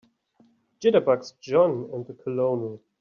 Jitterbugs JOHN and the COLONEL.